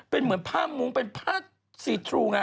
เป็นเหมือนผ้ามุ้งเป็นผ้าซีทรูไง